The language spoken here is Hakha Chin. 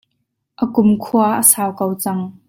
A kum khua a sau ko cang.